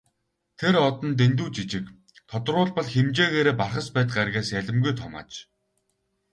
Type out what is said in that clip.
Тэр од нь дэндүү жижиг, тодруулбал хэмжээгээрээ Бархасбадь гаригаас ялимгүй том аж.